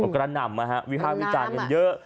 กระดับนำวิภาพวิจารณ์เยอะ